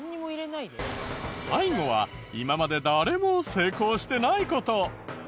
最後は今まで誰も成功してない事。